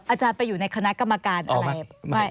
อาจารย์ไปอยู่ในคณะกรรมการอะไร